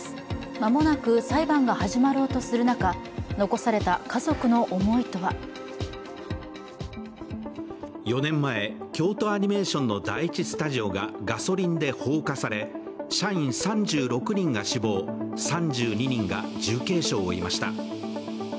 間もなく裁判が始まろうとする中、残された家族の思いとは４年前、京都アニメーションの第一スタジオがガソリンで放火され社員３６人が死亡、３２人が重軽傷を負いました。